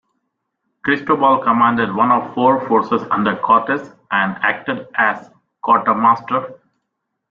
Cristobal commanded one of four forces under Cortes, and acted as quartermaster.